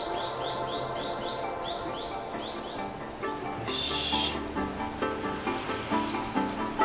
よし！